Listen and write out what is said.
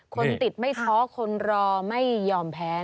คนติดไม่ท้อคนรอไม่ยอมแพ้